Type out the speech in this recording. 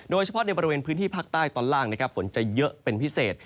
โดยเฉพาะในบริเวณพื้นที่ภาคใต้ตอนล่างนะครับฝนจะเยอะเป็นพิเศษ